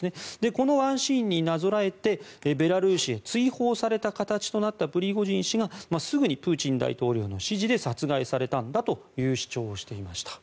このワンシーンになぞらえてベラルーシへ追放された形となったプリゴジン氏がすぐにプーチン大統領の指示で殺害されたんだという主張をしていました。